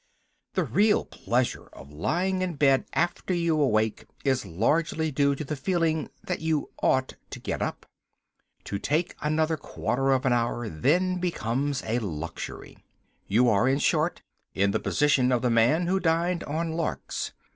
The real pleasure of lying in bed after you are awake is largely due to the feeling that you ought to get up. To take another quarter of an hour then becomes a luxury. You are, in short, in the position of the man who dined on larks.